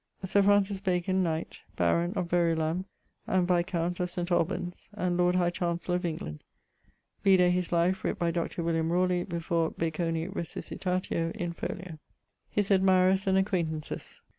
Sir Francis Bacon, knight, baron of Verulam and viscount of St. Albans, and Lord High Chancellor of England: vide his life writt by Dr. William Rawley before Baconi Resuscitatio, in folio. <_His admirers and acquaintances.